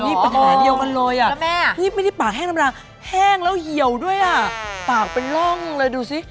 นี่ปัญหาเดียวกันเลยอ่ะนี่ไม่ได้ปากแห้งน้ำรางแห้งแล้วเหี่ยวด้วยอ่ะปากเป็นร่องเลยดูสิ